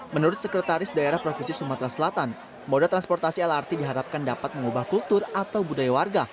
menurut sekretaris daerah provinsi sumatera selatan moda transportasi lrt diharapkan dapat mengubah kultur atau budaya warga